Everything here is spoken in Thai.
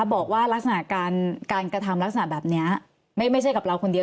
บอกว่าลักษณะการกระทำลักษณะแบบนี้ไม่ใช่กับเราคนเดียว